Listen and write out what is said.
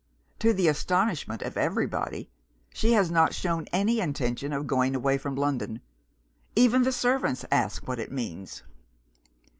To the astonishment of everybody, she has not shown any intention of going away from London! Even the servants ask what it means.